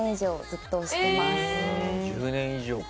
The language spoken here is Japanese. １０年以上か。